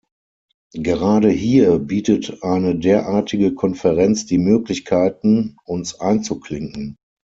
Gerade hier bietet eine derartige Konferenz die Möglichkeiten, uns einzuklinken.